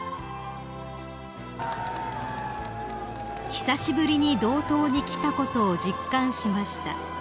［「久しぶりに道東に来たことを実感しました」